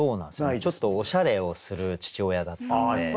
ちょっとおしゃれをする父親だったんで。